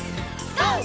ＧＯ！